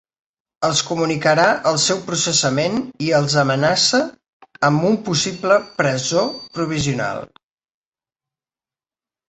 Els comunicarà el seu processament i els amenaça amb un possible presó provisional.